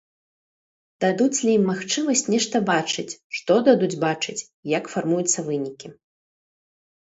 Дадуць лі ім магчымасць нешта бачыць, што дадуць бачыць, як фармуюцца вынікі.